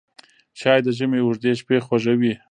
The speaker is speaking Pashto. چای د ژمي اوږدې شپې خوږوي